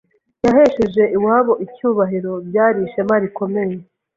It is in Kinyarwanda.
yahesheje iwabo icyubahiro byari ishema rikomeye.